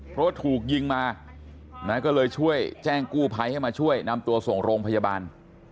เพราะว่าถูกยิงมานะก็เลยช่วยแจ้งกู้ภัยให้มาช่วยนำตัวส่งโรงพยาบาล